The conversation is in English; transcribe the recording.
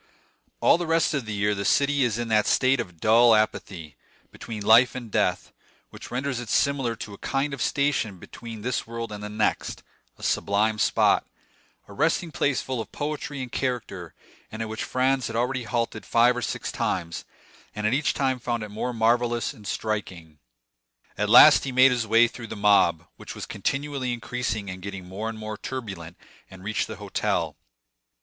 All the rest of the year the city is in that state of dull apathy, between life and death, which renders it similar to a kind of station between this world and the next—a sublime spot, a resting place full of poetry and character, and at which Franz had already halted five or six times, and at each time found it more marvellous and striking. At last he made his way through the mob, which was continually increasing and getting more and more turbulent, and reached the hotel.